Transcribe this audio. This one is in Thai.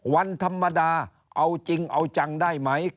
วันธรรมดาเอาจริงเอาจังได้ไหม